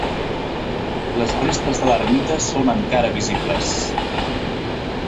Les restes de l'ermita són encara visibles.